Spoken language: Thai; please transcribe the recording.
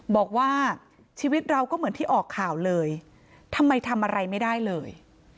บอกว่าชีวิตเราก็เหมือนที่ออกข่าวเลยทำไมทำอะไรไม่ได้เลย